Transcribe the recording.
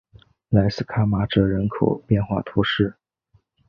莱斯卡马泽人口变化图示